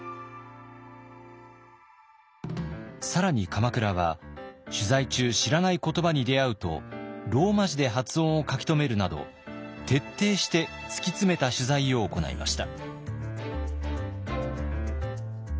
更に鎌倉は取材中知らない言葉に出会うとローマ字で発音を書き留めるなど徹底して突き詰めた取材を行いました。